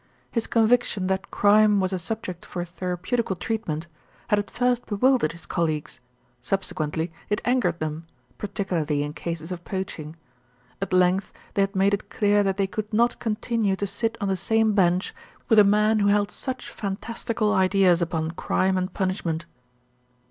His conviction that crime was a subject for therapeutical treatment had at first be wildered his colleagues, subsequently it angered them, particularly in cases of poaching. At length they had made it clear that they could not continue to sit on the same bench with a man who held such fantastical ideas upon crime and punishment.